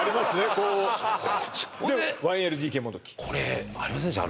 こうで１ＬＤＫもどきこれありませんでした？